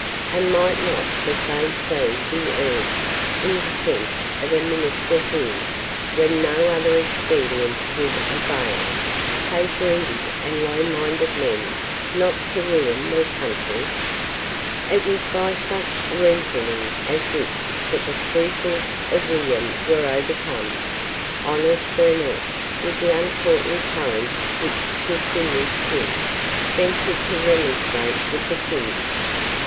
And might not the same plea be urged in defence of a minister who, when no other expedient would avail, paid greedy and lowminded men not to ruin their country? It was by some such reasoning as this that the scruples of William were overcome. Honest Burnet, with the uncourtly courage which distinguished him, ventured to remonstrate with the King.